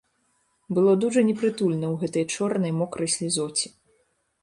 Было дужа непрытульна ў гэтай чорнай мокрай слізоце.